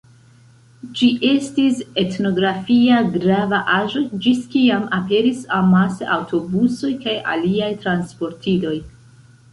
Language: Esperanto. Ĝi estis etnografia grava aĵo, ĝis kiam aperis amase aŭtobusoj kaj aliaj transportiloj.